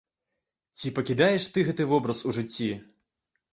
Ці пакідаеш ты гэты вобраз у жыцці?